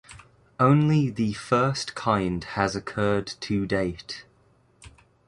Only the first kind has occurred to date.